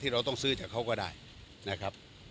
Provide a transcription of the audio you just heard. เราต้องซื้อจากเขาก็ได้นะครับ